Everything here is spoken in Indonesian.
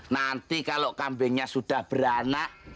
nanti kalau kambingnya sudah beranak